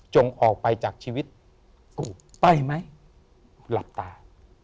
ออกไปจากชีวิตกูไปไหมหลับตา